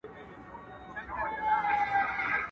o مړونه مري، نومونه ئې پاتېږي.